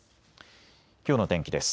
きょうの天気です。